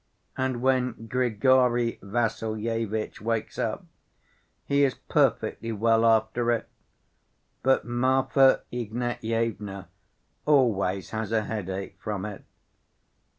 And when Grigory Vassilyevitch wakes up he is perfectly well after it, but Marfa Ignatyevna always has a headache from it.